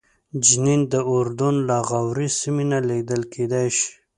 جنین د اردن له اغاورې سیمې نه لیدل کېدای شي.